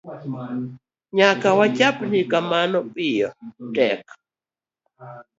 Nyako wechapni kamano piny tek.